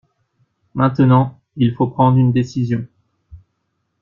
Maintenant, il faut prendre une décision.